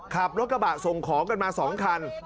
ขับรถกระบะส่งของกันมา๒คัน